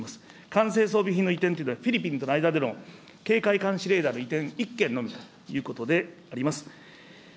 完成装備品の移転というのは、フィリピンとの間での警戒監視レーダーの移転、１件のみということであります。